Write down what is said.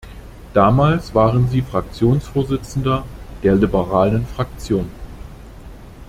Damals waren Sie Fraktionsvorsitzender der liberalen Fraktion.